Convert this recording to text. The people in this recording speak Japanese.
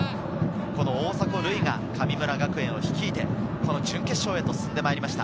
大迫塁が神村学園を率いて準決勝へと進んでまいりました。